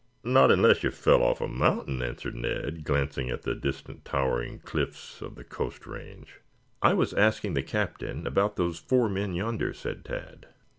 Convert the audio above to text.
"Not unless you fell off a mountain," answered Ned, glancing at the distant towering cliffs of the coast range. "I was asking the Captain about those four men yonder," said Tad.